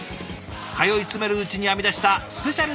通いつめるうちに編み出したスペシャルな味わい方。